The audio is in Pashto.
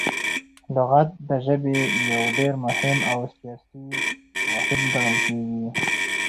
لغت د ژبي یو ډېر مهم او اساسي واحد ګڼل کیږي.